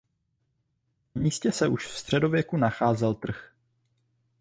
Na místě se už ve středověku nacházel trh.